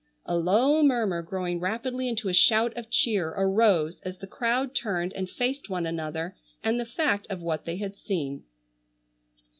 A low murmur growing rapidly into a shout of cheer arose as the crowd turned and faced one another and the fact of what they had seen.